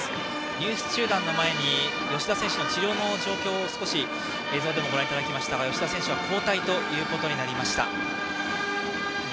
ニュース中断の前に吉田選手の治療の様子をご覧いただきましたが吉田選手は交代ということになりました。